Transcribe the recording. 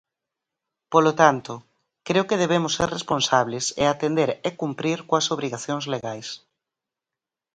Polo tanto, creo que debemos ser responsables e atender e cumprir coas obrigacións legais.